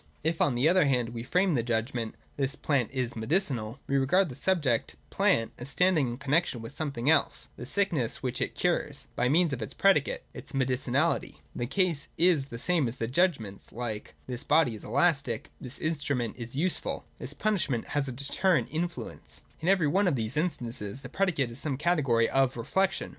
If, on the other hand, we frame the judgment, ' This plant is medicinal,' we regard the subject, plant, as standing in connexion with something else (the sickness which it cures), by means of its predicate (its medicinahty). The case is the same with judgments like : This body is elastic : This instrument is useful : This punishment has a deterrent influence. In every one of these instances the predicate is some category of reflection.